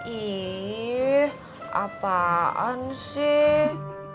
ih apaan sih